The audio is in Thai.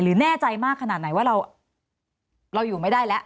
แน่ใจมากขนาดไหนว่าเราอยู่ไม่ได้แล้ว